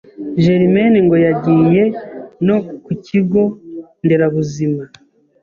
Germaine ngo yagiye no ku kigo nderabuzima